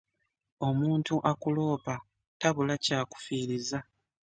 Omuntu akuloopa tabula kyakufiriza .